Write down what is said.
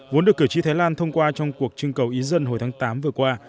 vốn được cử tri thái lan thông qua trong cuộc trưng cầu ý dân hồi tháng tám vừa qua